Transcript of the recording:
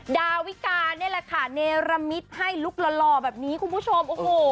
ดาวิกาเนรมิตให้ลูกหล่อแบบนี้คุณผู้ชม